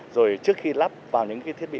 rồi trước khi lắp vào những cái thiết bị